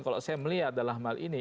kalau saya melihat dalam hal ini